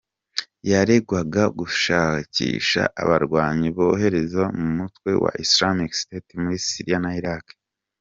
Yaregwaga gushakisha abarwanyi bo kohereza mu mutwe wa Islamic State muri Syria na Irak .